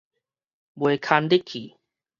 袂堪得氣